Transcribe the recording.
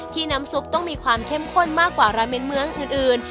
น้ำซุปต้องมีความเข้มข้นมากกว่าราเมนเมืองอื่น